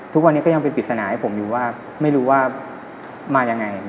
ทุกวันนี้ก็ยังเป็นปริศนาให้ผมอยู่ว่าไม่รู้ว่ามายังไง